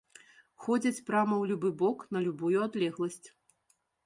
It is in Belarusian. Ходзяць прама ў любы бок на любую адлегласць.